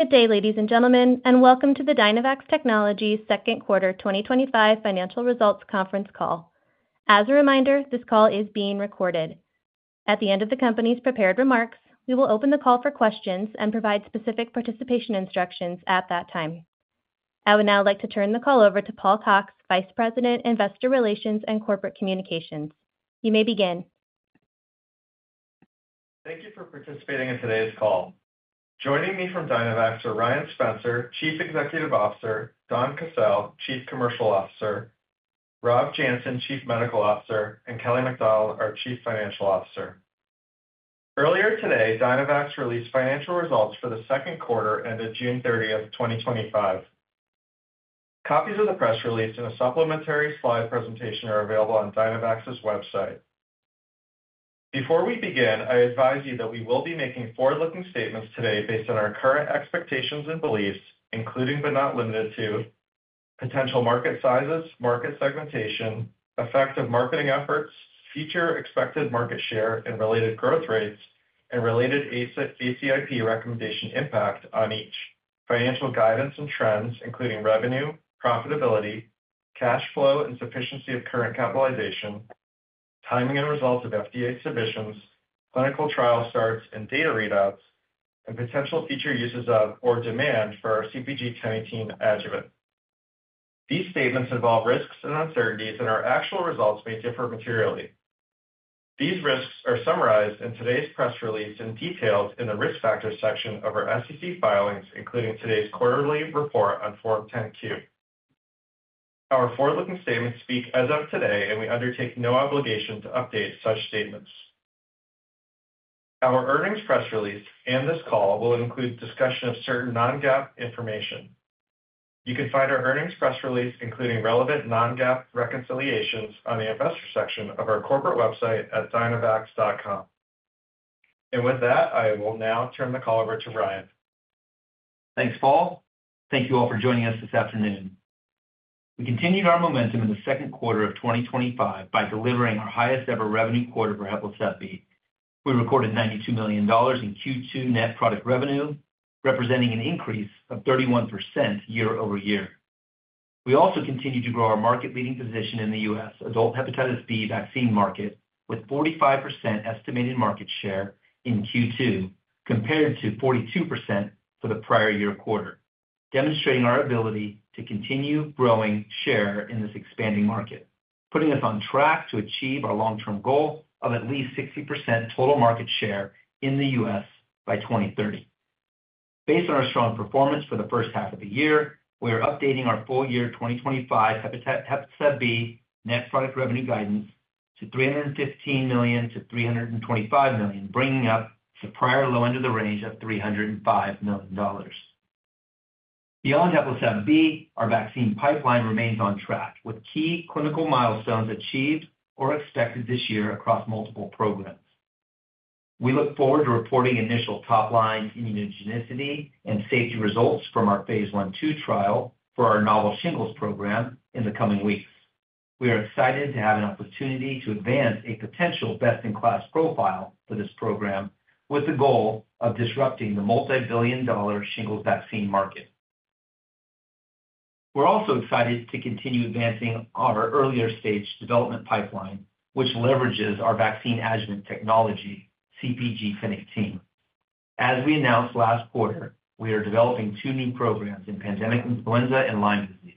Good day, ladies and gentlemen, and welcome to the Dynavax Technologies Second Quarter 2025 Financial Results Conference Call. As a reminder, this call is being recorded. At the end of the company's prepared remarks, we will open the call for questions and provide specific participation instructions at that time. I would now like to turn the call over to Paul Cox, Vice President, Investor Relations and Corporate Communications. You may begin. Thank you for participating in today's call. Joining me from Dynavax are Ryan Spencer, Chief Executive Officer, Donn Casale, Chief Commercial Officer, Rob Janssen, Chief Medical Officer, and Kelly MacDonald, our Chief Financial Officer. Earlier today, Dynavax released financial results for the second quarter ended June 30, 2025. Copies of the press release and a supplementary slide presentation are available on Dynavax's website. Before we begin, I advise you that we will be making forward-looking statements today based on our current expectations and beliefs, including but not limited to potential market sizes, market segmentation, effective marketing efforts, future expected market share, and related growth rates, and related ACIP recommendation impact on each financial guidance and trends, including revenue, profitability, cash flow, and sufficiency of current capitalization, timing and results of FDA submissions, clinical trial starts, and data readouts, and potential future uses of or demand for our CpG 1018 adjuvant. These statements involve risks and uncertainties, and our actual results may differ materially. These risks are summarized in today's press release and detailed in the risk factors section of our SEC filings, including today's quarterly report on Form 10-Q. Our forward-looking statements speak as of today, and we undertake no obligation to update such statements. Our earnings press release and this call will include discussion of certain non-GAAP information. You can find our earnings press release, including relevant non-GAAP reconciliations, on the investor section of our corporate website at dynavax.com. With that, I will now turn the call over to Ryan. Thanks, Paul. Thank you all for joining us this afternoon. We continued our momentum in the second quarter of 2025 by delivering our highest ever revenue quarter for HEPLISAV-B. We recorded $92 million in Q2 net product revenue, representing an increase of 31% year-over-year. We also continued to grow our market-leading position in the U.S. adult hepatitis B vaccine market, with 45% estimated market share in Q2 compared to 42% for the prior year quarter, demonstrating our ability to continue growing share in this expanding market, putting us on track to achieve our long-term goal of at least 60% total market share in the U.S. by 2030. Based on our strong performance for the first half of the year, we are updating our full-year 2025 hepatitis B net product revenue guidance to $315 million-$325 million, bringing us to the prior low end of the range of $305 million. Beyond HEPLISAV-B, our vaccine pipeline remains on track with key clinical milestones achieved or expected this year across multiple programs. We look forward to reporting initial top-line immunogenicity and safety results from our phase I/II trial for our novel shingles program in the coming weeks. We are excited to have an opportunity to advance a potential best-in-class profile for this program, with the goal of disrupting the multi-billion dollar shingles vaccine market. We're also excited to continue advancing our earlier stage development pipeline, which leverages our vaccine adjuvant technology, CpG 1018. As we announced last quarter, we are developing two new programs in pandemic influenza and Lyme disease.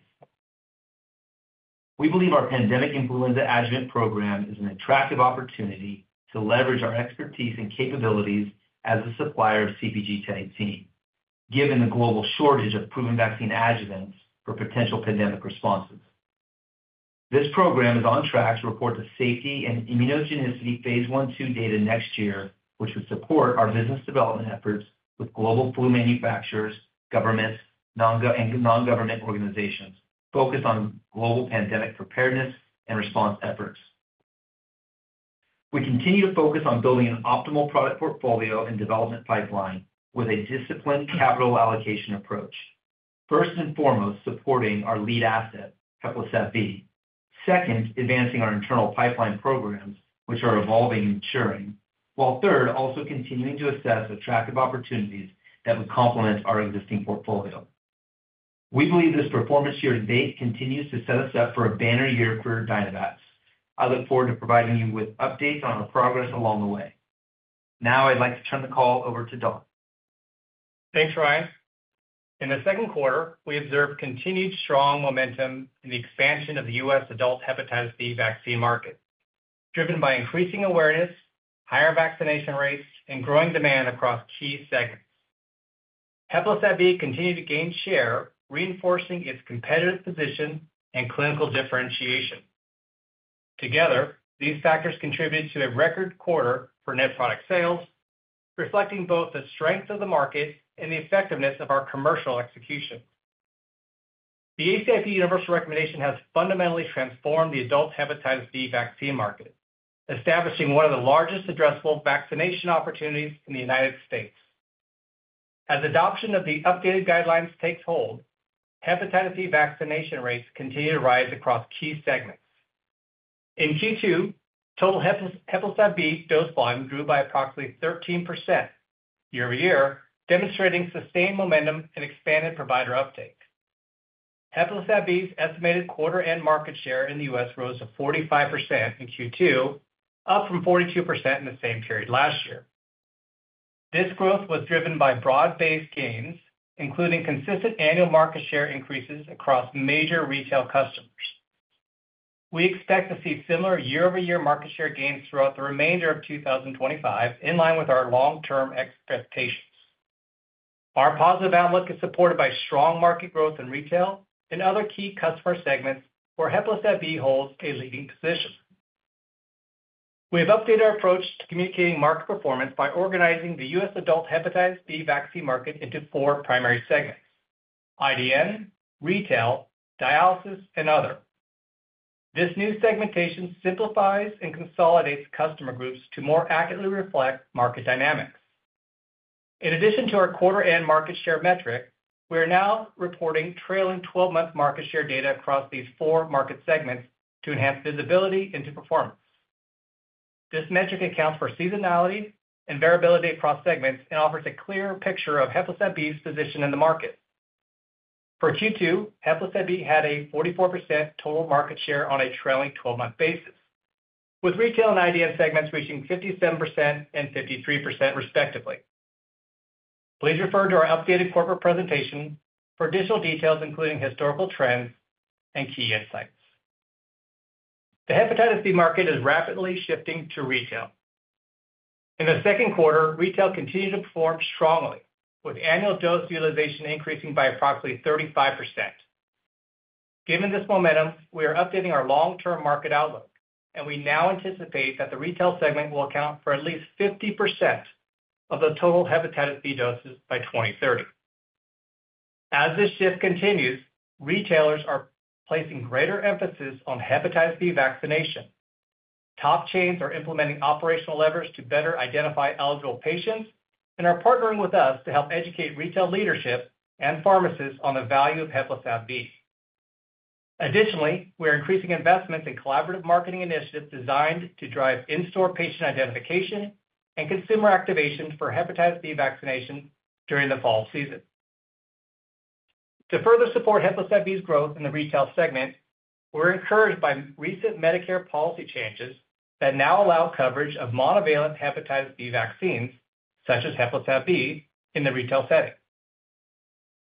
We believe our pandemic influenza adjuvant program is an attractive opportunity to leverage our expertise and capabilities as a supplier of CpG 1018, given the global shortage of proven vaccine adjuvants for potential pandemic responses. This program is on track to report the safety and immunogenicity phase I/II data next year, which would support our business development efforts with global vaccine manufacturers, governments, and non-government organizations focused on global pandemic preparedness and response efforts. We continue to focus on building an optimal product portfolio and development pipeline with a disciplined capital allocation approach. First and foremost, supporting our lead asset, HEPLISAV-B. Second, advancing our internal pipeline programs, which are evolving and maturing, while third, also continuing to assess attractive opportunities that would complement our existing portfolio. We believe this performance-driven base continues to set us up for a banner year for Dynavax. I look forward to providing you with updates on our progress along the way. Now I'd like to turn the call over to Donn. Thanks, Ryan. In the second quarter, we observed continued strong momentum in the expansion of the U.S. adult hepatitis B vaccine market, driven by increasing awareness, higher vaccination rates, and growing demand across key segments. HEPLISAV-B continued to gain share, reinforcing its competitive position and clinical differentiation. Together, these factors contributed to a record quarter for net product sales, reflecting both the strength of the market and the effectiveness of our commercial execution. The ACIP universal recommendation has fundamentally transformed the adult hepatitis B vaccine market, establishing one of the largest addressable vaccination opportunities in the United States. As adoption of the updated guidelines takes hold, hepatitis B vaccination rates continue to rise across key segments. In Q2, total hepatitis B dose volume grew by approximately 13% year-over-year, demonstrating sustained momentum and expanded provider uptake. HEPLISAV-B's estimated quarter-end market share in the U.S. rose to 45% in Q2, up from 42% in the same period last year. This growth was driven by broad-based gains, including consistent annual market share increases across major retail customers. We expect to see similar year-over-year market share gains throughout the remainder of 2025, in line with our long-term expectations. Our positive outlook is supported by strong market growth in retail and other key customer segments where HEPLISAV-B holds a leading position. We have updated our approach to communicating market performance by organizing the U.S. adult hepatitis B vaccine market into four primary segments: IDN, retail, dialysis, and other. This new segmentation simplifies and consolidates customer groups to more accurately reflect market dynamics. In addition to our quarter-end market share metric, we are now reporting trailing 12-month market share data across these four market segments to enhance visibility into performance. This metric accounts for seasonality and variability across segments and offers a clearer picture of HEPLISAV-B's position in the market. For Q2, HEPLISAV-B had a 44% total market share on a trailing 12-month basis, with retail and IDN segments reaching 57% and 53% respectively. Please refer to our updated corporate presentation for additional details, including historical trends and key insights. The hepatitis B market is rapidly shifting to retail. In the second quarter, retail continued to perform strongly, with annual dose utilization increasing by approximately 35%. Given this momentum, we are updating our long-term market outlook, and we now anticipate that the retail segment will account for at least 50% of the total hepatitis B doses by 2030. As this shift continues, retailers are placing greater emphasis on hepatitis B vaccination. Top chains are implementing operational levers to better identify eligible patients and are partnering with us to help educate retail leadership and pharmacists on the value of HEPLISAV-B. Additionally, we are increasing investments in collaborative marketing initiatives designed to drive in-store patient identification and consumer activations for hepatitis B vaccination during the fall season. To further support HEPLISAV-B's growth in the retail segment, we're encouraged by recent Medicare policy changes that now allow coverage of monovalent hepatitis B vaccines, such as HEPLISAV-B, in the retail setting.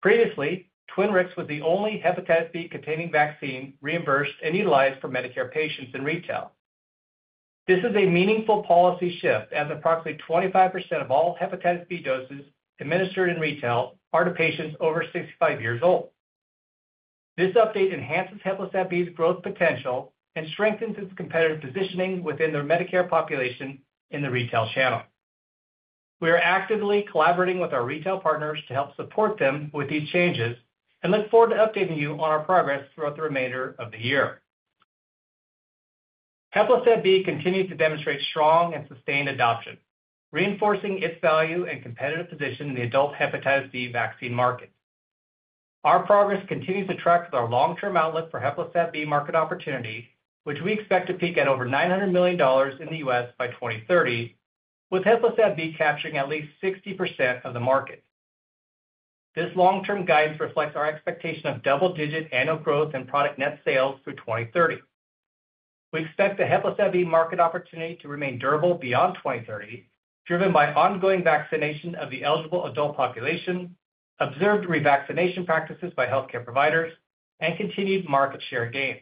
Previously, TWINRIX was the only hepatitis B-containing vaccine reimbursed and utilized for Medicare patients in retail. This is a meaningful policy shift, as approximately 25% of all hepatitis B doses administered in retail are to patients over 65 years old. This update enhances HEPLISAV-B's growth potential and strengthens its competitive positioning within the Medicare population in the retail channel. We are actively collaborating with our retail partners to help support them with these changes and look forward to updating you on our progress throughout the remainder of the year. HEPLISAV-B continues to demonstrate strong and sustained adoption, reinforcing its value and competitive position in the adult hepatitis B vaccine market. Our progress continues to track with our long-term outlook for HEPLISAV-B market opportunity, which we expect to peak at over $900 million in the U.S. by 2030, with HEPLISAV-B capturing at least 60% of the market. This long-term guidance reflects our expectation of double-digit annual growth in product net sales through 2030. We expect the HEPLISAV-B market opportunity to remain durable beyond 2030, driven by ongoing vaccination of the eligible adult population, observed revaccination practices by healthcare providers, and continued market share gains.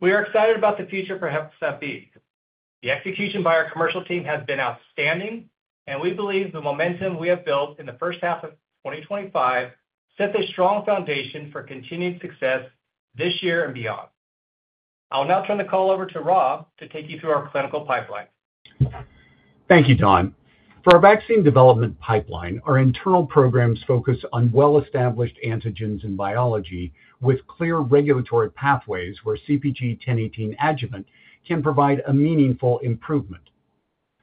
We are excited about the future for HEPLISAV-B. The execution by our commercial team has been outstanding, and we believe the momentum we have built in the first half of 2025 sets a strong foundation for continued success this year and beyond. I will now turn the call over to Rob to take you through our clinical pipeline. Thank you, Donn. For our vaccine development pipeline, our internal programs focus on well-established antigens and biology, with clear regulatory pathways where CpG 1018 adjuvant can provide a meaningful improvement.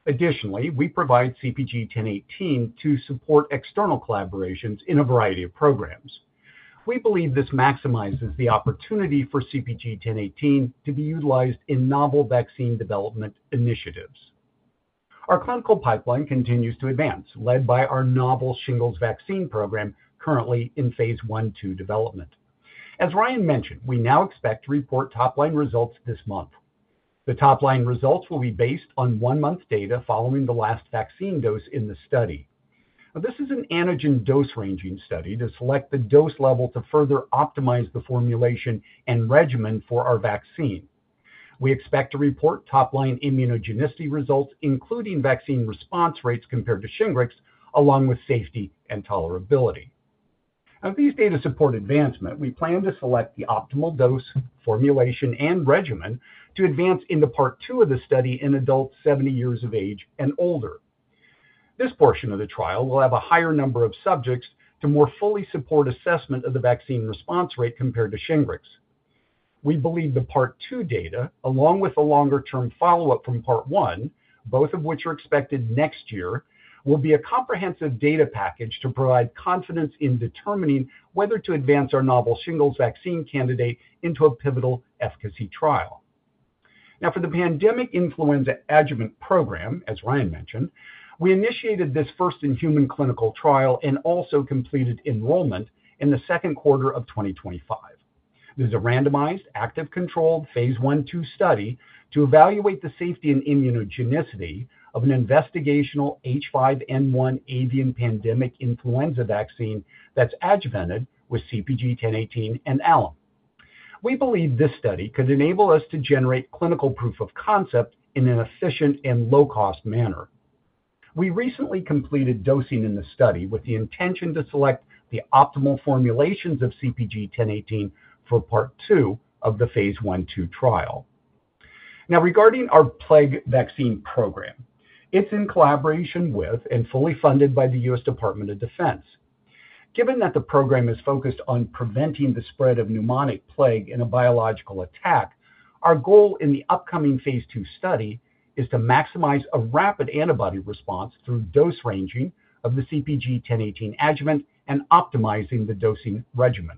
Additionally, we provide CpG 1018 to support external collaborations in a variety of programs. We believe this maximizes the opportunity for CpG 1018 to be utilized in novel vaccine development initiatives. Our clinical pipeline continues to advance, led by our novel shingles vaccine program, currently in phase I/II development. As Ryan mentioned, we now expect to report top-line results this month. The top-line results will be based on one-month data following the last vaccine dose in the study. This is an antigen dose ranging study to select the dose level to further optimize the formulation and regimen for our vaccine. We expect to report top-line immunogenicity results, including vaccine response rates compared to SHINGRIX, along with safety and tolerability. As these data support advancement, we plan to select the optimal dose, formulation, and regimen to advance into part two of the study in adults 70 years of age and older. This portion of the trial will have a higher number of subjects to more fully support assessment of the vaccine response rate compared to SHINGRIX. We believe the part two data, along with the longer-term follow-up from part one, both of which are expected next year, will be a comprehensive data package to provide confidence in determining whether to advance our novel shingles vaccine candidate into a pivotal efficacy trial. Now, for the pandemic influenza adjuvant program, as Ryan mentioned, we initiated this first in human clinical trial and also completed enrollment in the second quarter of 2025. There is a randomized, active-controlled phase I/II study to evaluate the safety and immunogenicity of an investigational H5N1 avian pandemic influenza vaccine that's adjuvanted with CpG 1018 and alum. We believe this study could enable us to generate clinical proof of concept in an efficient and low-cost manner. We recently completed dosing in the study with the intention to select the optimal formulations of CpG 1018 for part two of the phase I/II trial. Now, regarding our plague vaccine program, it's in collaboration with and fully funded by the U.S. Department of Defense. Given that the program is focused on preventing the spread of pneumonic plague in a biological attack, our goal in the upcoming phase II study is to maximize a rapid antibody response through dose ranging of the CpG 1018 adjuvant and optimizing the dosing regimen.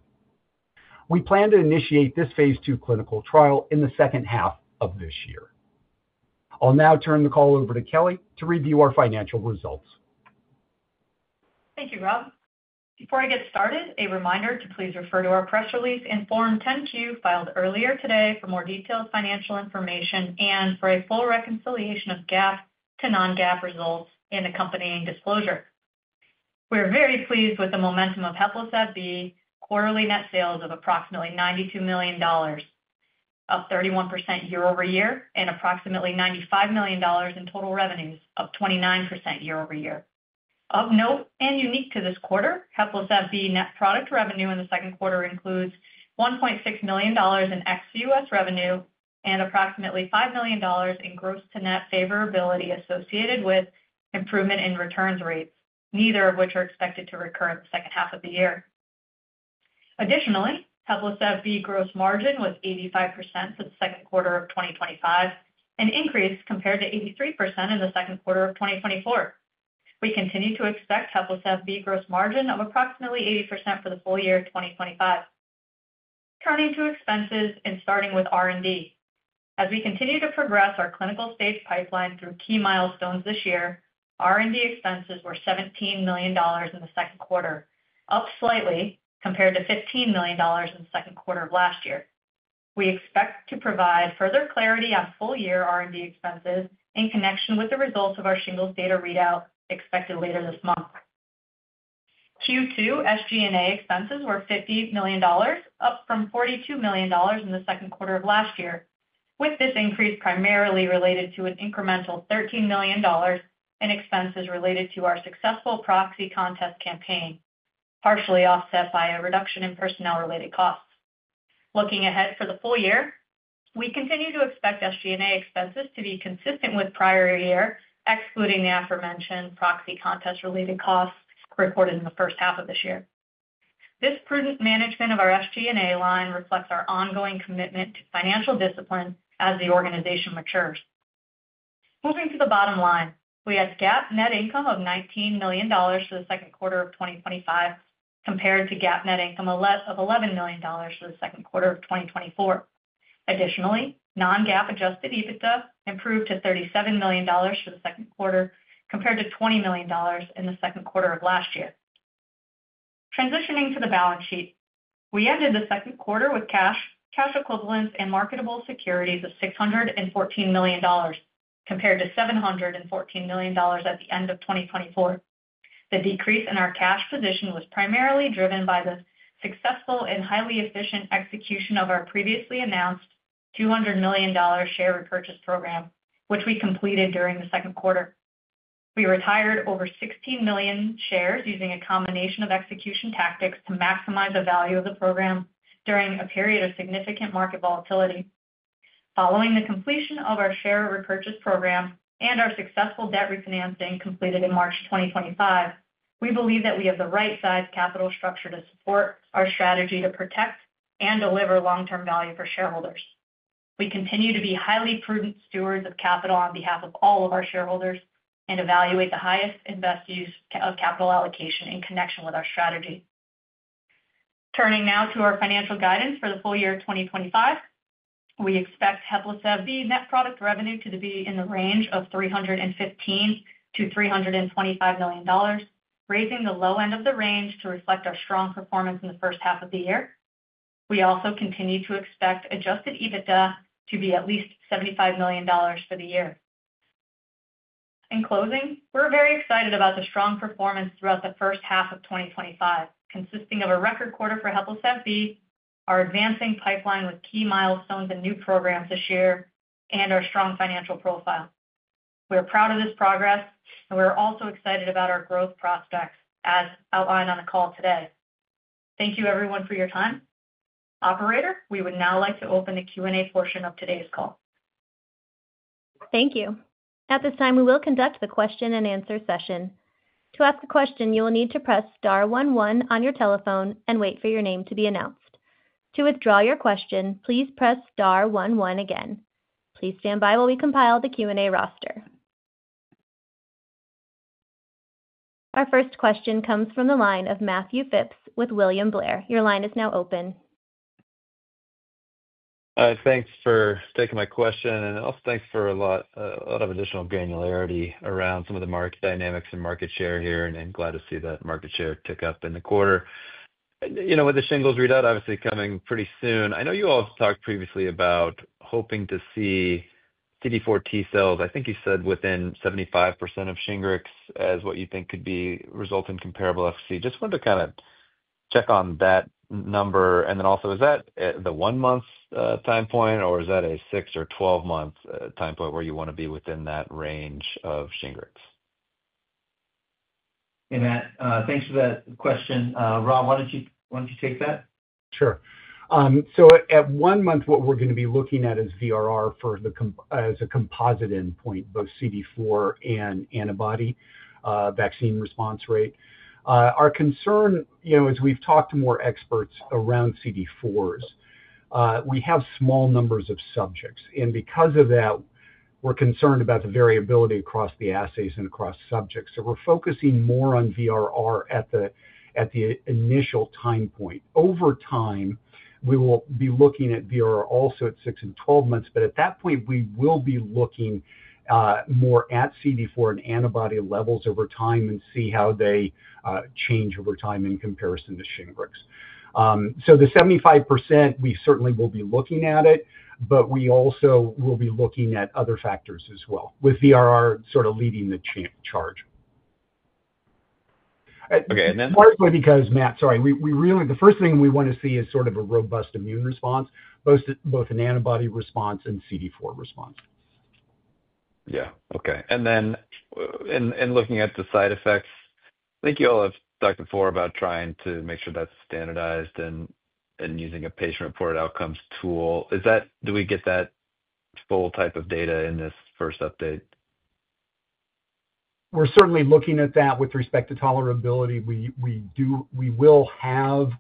We plan to initiate this phase II clinical trial in the second half of this year. I'll now turn the call over to Kelly to review our financial results. Thank you, Rob. Before I get started, a reminder to please refer to our press release and Form 10-Q filed earlier today for more detailed financial information and for a full reconciliation of GAAP to non-GAAP results in accompanying disclosures. We are very pleased with the momentum of HEPLISAV-B, quarterly net sales of approximately $92 million, up 31% year-over-year, and approximately $95 million in total revenues, up 29% year-over-year. Of note and unique to this quarter, HEPLISAV-B net product revenue in the second quarter includes $1.6 million in ex-U.S. revenue and approximately $5 million in gross-to-net favorability associated with improvement in returns rates, neither of which are expected to recur in the second half of the year. Additionally, HEPLISAV-B gross margin was 85% for the second quarter of 2025, an increase compared to 83% in the second quarter of 2024. We continue to expect HEPLISAV-B gross margin of approximately 80% for the full year of 2025. Turning to expenses and starting with R&D. As we continue to progress our clinical stage pipeline through key milestones this year, R&D expenses were $17 million in the second quarter, up slightly compared to $15 million in the second quarter of last year. We expect to provide further clarity on full-year R&D expenses in connection with the results of our shingles data readout expected later this month. Q2 SG&A expenses were $50 million, up from $42 million in the second quarter of last year, with this increase primarily related to an incremental $13 million in expenses related to our successful proxy contest campaign, partially offset by a reduction in personnel-related costs. Looking ahead for the full year, we continue to expect SG&A expenses to be consistent with prior year, excluding the aforementioned proxy contest-related costs recorded in the first half of this year. This prudent management of our SG&A line reflects our ongoing commitment to financial discipline as the organization matures. Moving to the bottom line, we had GAAP net income of $19 million for the second quarter of 2025, compared to GAAP net income of $11 million for the second quarter of 2024. Additionally, non-GAAP adjusted EBITDA improved to $37 million for the second quarter, compared to $20 million in the second quarter of last year. Transitioning to the balance sheet, we ended the second quarter with cash, cash equivalents, and marketable securities at $614 million, compared to $714 million at the end of 2024. The decrease in our cash position was primarily driven by the successful and highly efficient execution of our previously announced $200 million share repurchase program, which we completed during the second quarter. We retired over 16 million shares using a combination of execution tactics to maximize the value of the program during a period of significant market volatility. Following the completion of our share repurchase program and our successful debt refinancing completed in March 2025, we believe that we have the right-sized capital structure to support our strategy to protect and deliver long-term value for shareholders. We continue to be highly prudent stewards of capital on behalf of all of our shareholders and evaluate the highest and best use of capital allocation in connection with our strategy. Turning now to our financial guidance for the full year of 2025, we expect HEPLISAV-B net product revenue to be in the range of $315 million-$325 million, raising the low end of the range to reflect our strong performance in the first half of the year. We also continue to expect adjusted EBITDA to be at least $75 million for the year. In closing, we're very excited about the strong performance throughout the first half of 2025, consisting of a record quarter for HEPLISAV-B, our advancing pipeline with key milestones and new programs this year, and our strong financial profile. We are proud of this progress, and we're also excited about our growth prospects, as outlined on the call today. Thank you, everyone, for your time. Operator, we would now like to open the Q&A portion of today's call. Thank you. At this time, we will conduct the question-and-answer session. To ask a question, you will need to press star one one on your telephone and wait for your name to be announced. To withdraw your question, please press star one one again. Please stand by while we compile the Q&A roster. Our first question comes from the line of Matthew Phipps with William Blair. Your line is now open. Thanks for taking my question, and also thanks for a lot of additional granularity around some of the market dynamics and market share here. I'm glad to see that market share tick up in the quarter. You know, with the shingles readout obviously coming pretty soon, I know you all talked previously about hoping to see TD4 T-cells, I think you said, within 75% of SHINGRIX as what you think could be result in comparable efficacy. Just wanted to kind of check on that number, and then also, is that the one-month time point, or is that a six or 12-month time point where you want to be within that range of SHINGRIX? Hey, Matt. Thanks for that question. Rob, why don't you take that? Sure. At one month, what we're going to be looking at is VRR as a composite endpoint, both CD4 and antibody vaccine response rate. Our concern, as we've talked to more experts around CD4s, is we have small numbers of subjects, and because of that, we're concerned about the variability across the assays and across subjects. We're focusing more on VRR at the initial time point. Over time, we will be looking at VRR also at six and 12 months, but at that point, we will be looking more at CD4 and antibody levels over time and see how they change over time in comparison to SHINGRIX. The 75% we certainly will be looking at, but we also will be looking at other factors as well, with VRR sort of leading the charge. Partly because, Matt, sorry, the first thing we want to see is sort of a robust immune response, both an antibody response and CD4 response. Okay. In looking at the side effects, I think you all have talked before about trying to make sure that's standardized and using a patient-reported outcomes tool. Do we get that full type of data in this first update? We're certainly looking at that with respect to tolerability. We will have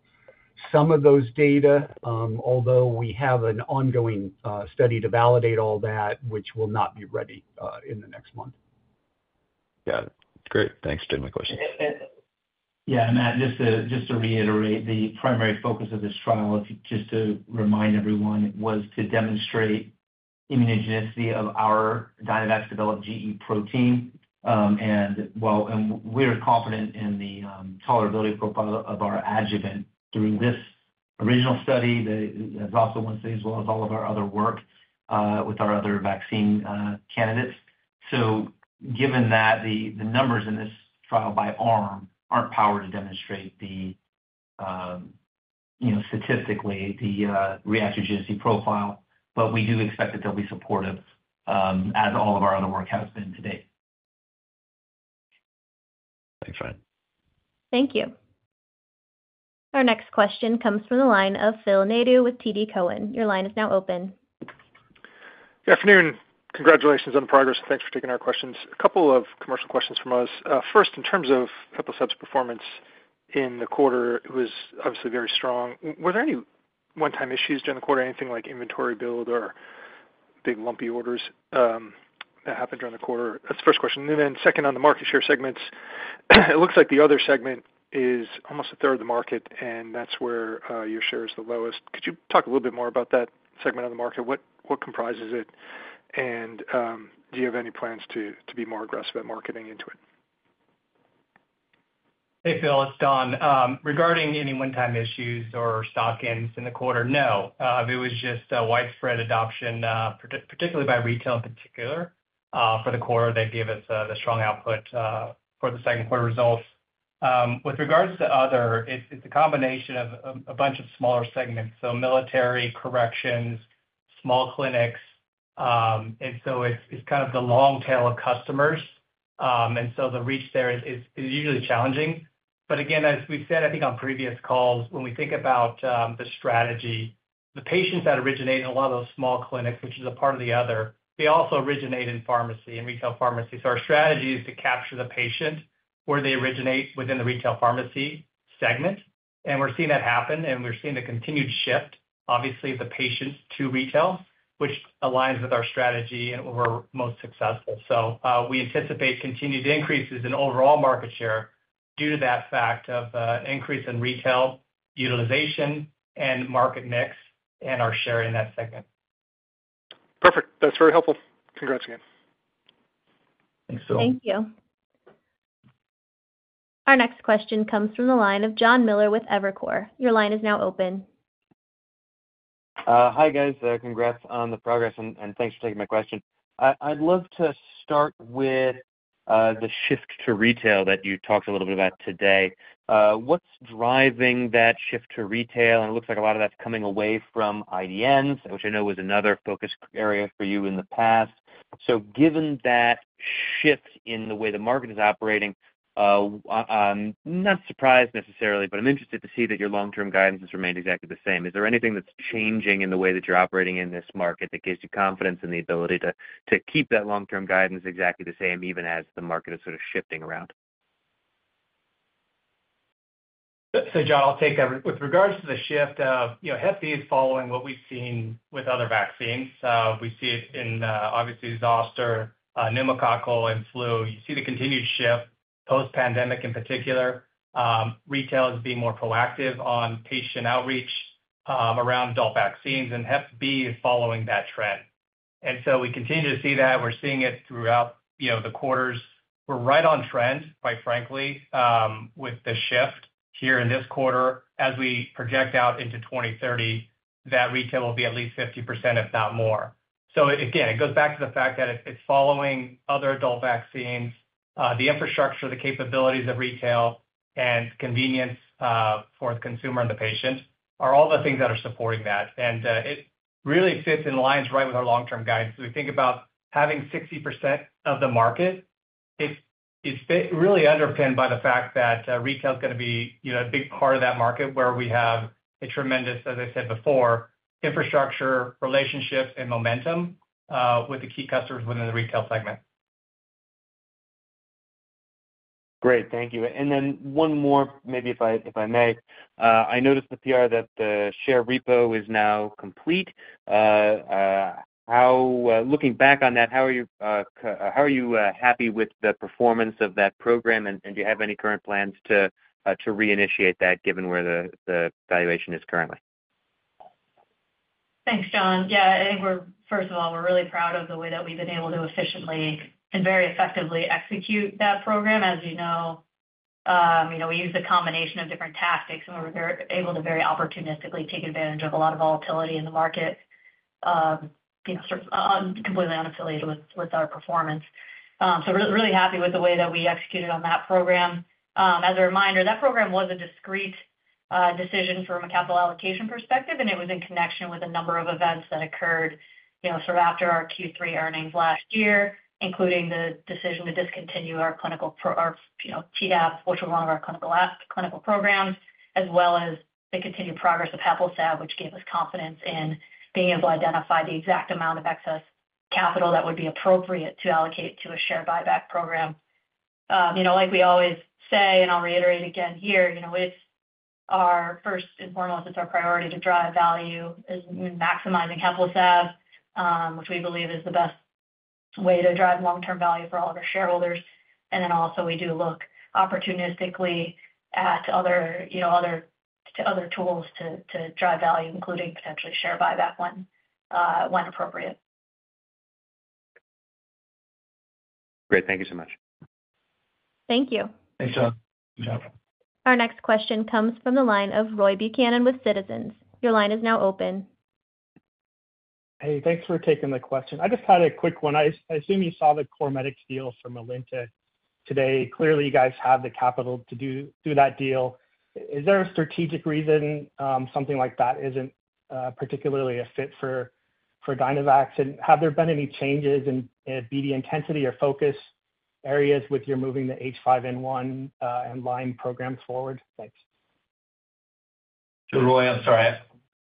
some of those data, although we have an ongoing study to validate all that, which will not be ready in the next month. Got it. Great, thanks. Did my questions. Yeah, and Matt, just to reiterate, the primary focus of this trial, just to remind everyone, was to demonstrate immunogenicity of our Dynavax-developed gE protein. We're confident in the tolerability profile of our adjuvant through this original study, the ZOS-01 phase I, as well as all of our other work with our other vaccine candidates. Given that the numbers in this trial by arm aren't powered to demonstrate, you know, statistically, the reactogenicity profile, we do expect that they'll be supportive, as all of our other work has been to date. Thanks, Ryan. Our next question comes from the line of Phil Nadeau with TD Cowen. Your line is now open. Good afternoon. Congratulations on the progress. Thanks for taking our questions. A couple of commercial questions from us. First, in terms of HEPLISAV's performance in the quarter, it was obviously very strong. Were there any one-time issues during the quarter, anything like inventory build or big lumpy orders that happened during the quarter? That's the first question. Second, on the market share segments, it looks like the other segment is almost 1/3 of the market, and that's where your share is the lowest. Could you talk a little bit more about that segment of the market? What comprises it? Do you have any plans to be more aggressive at marketing into it? Hey, Phil. It's Donn. Regarding any one-time issues or stock ends in the quarter, no. It was just widespread adoption, particularly by retail in particular, for the quarter that gave us the strong output for the second quarter results. With regards to other, it's a combination of a bunch of smaller segments, military, corrections, small clinics, and it's kind of the long tail of customers. The reach there is usually challenging. As we've said, I think on previous calls, when we think about the strategy, the patients that originate in a lot of those small clinics, which is a part of the other, they also originate in pharmacy, in retail pharmacy. Our strategy is to capture the patient where they originate within the retail pharmacy segment. We're seeing that happen, and we're seeing the continued shift, obviously, of the patient to retail, which aligns with our strategy and where we're most successful. We anticipate continued increases in overall market share due to that fact of an increase in retail utilization and market mix and our share in that segment. Perfect. That's very helpful. Congrats again. Our next question comes from the line of Jon Miller with Evercore. Your line is now open. Hi, guys. Congrats on the progress, and thanks for taking my question. I'd love to start with the shift to retail that you talked a little bit about today. What's driving that shift to retail? It looks like a lot of that's coming away from IDNs, which I know was another focus area for you in the past. Given that shift in the way the market is operating, I'm not surprised necessarily, but I'm interested to see that your long-term guidance has remained exactly the same. Is there anything that's changing in the way that you're operating in this market that gives you confidence in the ability to keep that long-term guidance exactly the same, even as the market is sort of shifting around? So Jon, I'll take that. With regards to the shift of hep B, it is following what we've seen with other vaccines. We see it in, obviously, zoster, pneumococcal, and flu. You see the continued shift post-pandemic in particular. Retail is being more proactive on patient outreach around adult vaccines, and hep B is following that trend. We continue to see that. We're seeing it throughout the quarters. We're right on trend, quite frankly, with the shift here in this quarter. As we project out into 2030, retail will be at least 50%, if not more. It goes back to the fact that it's following other adult vaccines. The infrastructure, the capabilities of retail, and convenience for the consumer and the patient are all the things that are supporting that. It really fits and aligns right with our long-term guidance. We think about having 60% of the market. It's really underpinned by the fact that retail is going to be a big part of that market where we have a tremendous, as I said before, infrastructure, relationships, and momentum with the key customers within the retail segment. Great. Thank you. One more, if I may, I noticed with the PR that the share repurchase program is now complete. Looking back on that, are you happy with the performance of that program, and do you have any current plans to reinitiate that given where the valuation is currently? Thanks, John. I think we're, first of all, we're really proud of the way that we've been able to efficiently and very effectively execute that program. As you know, we use a combination of different tactics, and we were able to very opportunistically take advantage of a lot of volatility in the market. It's completely unaffiliated with our performance. Really happy with the way that we executed on that program. As a reminder, that program was a discrete decision from a capital allocation perspective, and it was in connection with a number of events that occurred after our Q3 earnings last year, including the decision to discontinue our clinical, our Tdap, which was one of our clinical programs, as well as the continued progress of HEPLISAV, which gave us confidence in being able to identify the exact amount of excess capital that would be appropriate to allocate to a share buyback program. Like we always say, and I'll reiterate again here, it's our first and foremost, it's our priority to drive value in maximizing HEPLISAV, which we believe is the best way to drive long-term value for all of our shareholders. We do look opportunistically at other tools to drive value, including potentially share buyback when appropriate. Great, thank you so much. Thank you. Our next question comes from the line of Roy Buchanan with Citizens. Your line is now open. Hey, thanks for taking the question. I just had a quick one. I assume you saw the CorMedix deal from Melinta today. Clearly, you guys have the capital to do that deal. Is there a strategic reason something like that isn't particularly a fit for Dynavax? Have there been any changes in BD intensity or focus areas with your moving the H5N1 and Lyme programs forward? Thanks. Roy, I'm sorry.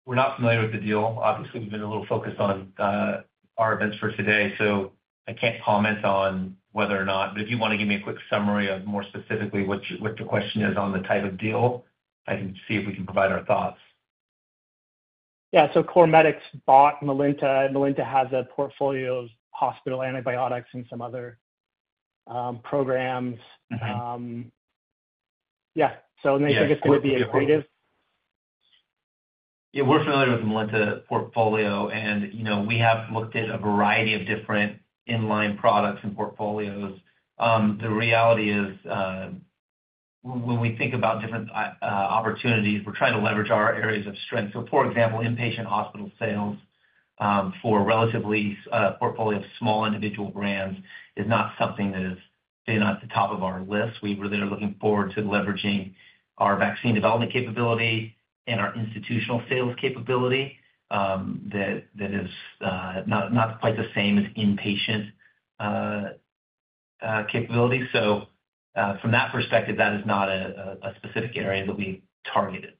We're not familiar with the deal. Obviously, we've been a little focused on our events for today, so I can't comment on whether or not, but if you want to give me a quick summary of more specifically what the question is on the type of deal, I can see if we can provide our thoughts. Yeah, so CorMedix bought Melinta. Melinta has a portfolio of hospital antibiotics and some other programs. Yes, so I guess, can it be accretive? Yeah, we're familiar with the Melinta portfolio, and you know we have looked at a variety of different in-line products and portfolios. The reality is when we think about different opportunities, we're trying to leverage our areas of strength. For example, inpatient hospital sales for a relatively small portfolio of individual brands is not something that is at the top of our list. We really are looking forward to leveraging our vaccine development capability and our institutional sales capability that is not quite the same as inpatient capability. From that perspective, that is not a specific area that we target.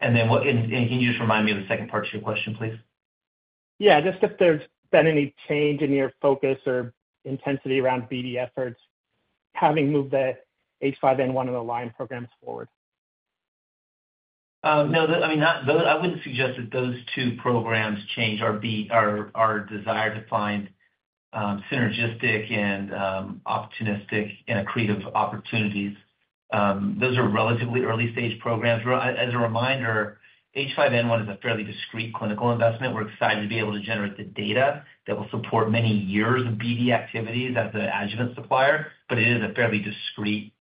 What can you just remind me of the second part of your question, please? Yeah, just if there's been any change in your focus or intensity around BD efforts having moved the H5N1 and the Lyme programs forward. No, I mean, I wouldn't suggest that those two programs change our desire to find synergistic and opportunistic and creative opportunities. Those are relatively early-stage programs. As a reminder, H5N1 is a fairly discrete clinical investment. We're excited to be able to generate the data that will support many years of BD activities as an adjuvant supplier, but it is a fairly discrete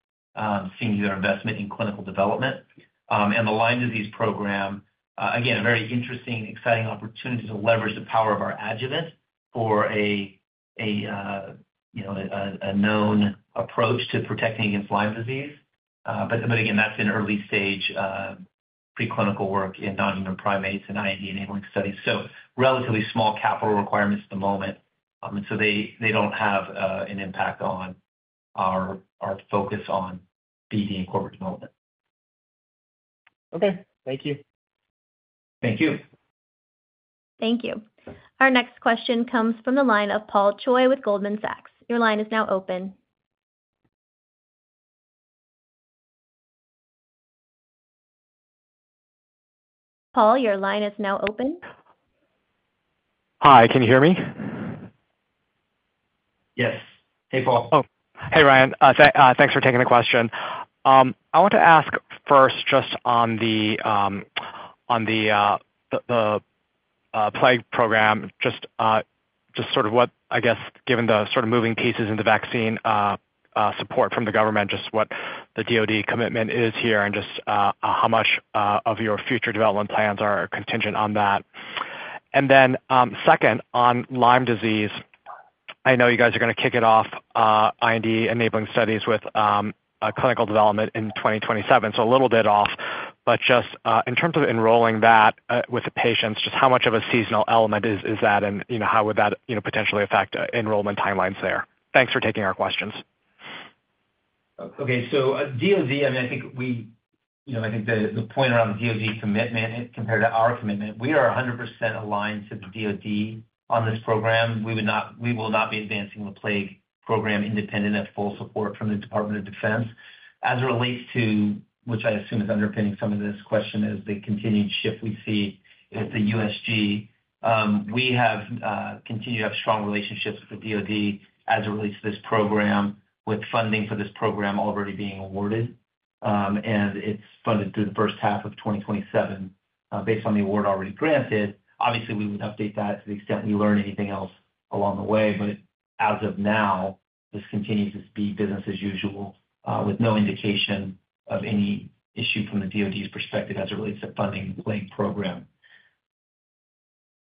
single-year investment in clinical development. The Lyme disease program, again, a very interesting, exciting opportunity to leverage the power of our adjuvant for a known approach to protecting against Lyme disease. Again, that's in early-stage preclinical work and not in their primates and IND enabling studies. Relatively small capital requirements at the moment, they don't have an impact on our focus on BD and corporate development. Okay. Thank you. Thank you. Thank you. Our next question comes from the line of Paul Choi with Goldman Sachs. Your line is now open. Hi. Can you hear me? Yes. Hey, Paul. Oh, hey, Ryan. Thanks for taking the question. I want to ask first just on the plague program, just sort of what, I guess, given the sort of moving pieces in the vaccine support from the government, just what the DoD commitment is here and just how much of your future development plans are contingent on that. Second, on Lyme disease, I know you guys are going to kick off IND enabling studies with clinical development in 2027. A little bit off, but just in terms of enrolling that with the patients, just how much of a seasonal element is that and how would that potentially affect enrollment timelines there? Thanks for taking our questions. Okay. DoD, I think the point around the DoD commitment compared to our commitment, we are 100% aligned to the DoD on this program. We will not be advancing the plague program independent of full support from the Department of Defense. As it relates to, which I assume is underpinning some of this question, is the continued shift we see at the USG. We have continued to have strong relationships with the DoD as it relates to this program, with funding for this program already being awarded. It's funded through the first half of 2027 based on the award already granted. Obviously, we would update that to the extent we learn anything else along the way, but as of now, this continues to be business as usual with no indication of any issue from the DoD's perspective as it relates to funding the plague program.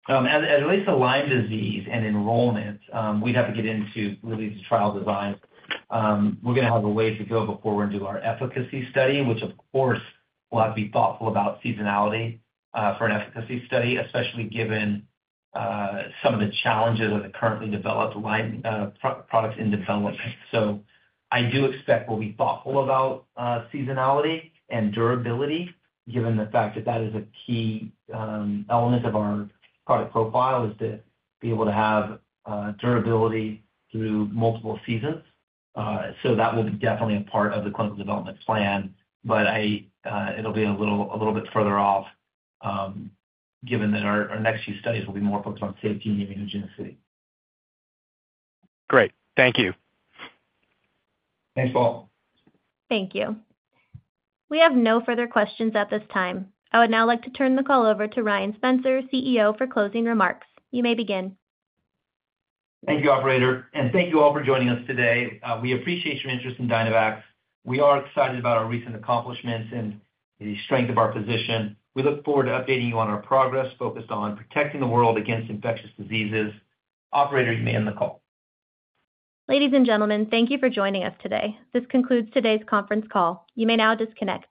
As it relates to Lyme disease and enrollment, we'd have to get into literally the trial design. We're going to have a ways to go before we do our efficacy study, which, of course, we'll have to be thoughtful about seasonality for an efficacy study, especially given some of the challenges of the currently developed Lyme products in development. I do expect we'll be thoughtful about seasonality and durability, given the fact that that is a key element of our product profile is to be able to have durability through multiple seasons. That would be definitely a part of the clinical development plan, but it'll be a little bit further off, given that our next few studies will be more focused on safety and immunogenicity. Great. Thank you. Thanks, Paul. Thank you. We have no further questions at this time. I would now like to turn the call over to Ryan Spencer, CEO, for closing remarks. You may begin. Thank you, operator. Thank you all for joining us today. We appreciate your interest in Dynavax. We are excited about our recent accomplishments and the strength of our position. We look forward to updating you on our progress focused on protecting the world against infectious diseases. Operator, you may end the call. Ladies and gentlemen, thank you for joining us today. This concludes today's conference call. You may now disconnect.